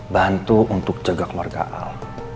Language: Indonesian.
bantu untuk cegak warga al